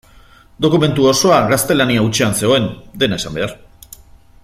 Dokumentu osoa gaztelania hutsean zegoen, dena esan behar.